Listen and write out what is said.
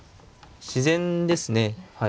自然ですねはい。